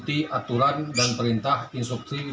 mereka selalu dalam perlindungan basah belaka tersebut